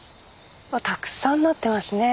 たくさんなってますね。